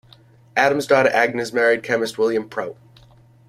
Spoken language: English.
Adam's daughter Agnes married the chemist William Prout.